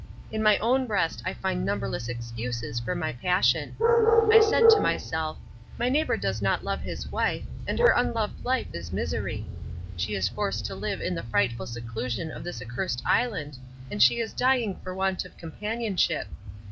In my own breast I find numberless excuses for my passion. I said to myself, "My neighbour does not love his wife, and her unloved life is misery. She is forced to live in the frightful seclusion of this accursed island, and she is dying for want of companionship.